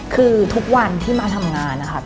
คือทุกวันที่มาทำงานนะครับ